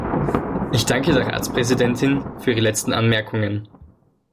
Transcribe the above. Ich danke der Ratspräsidentin für ihre letzten Anmerkungen.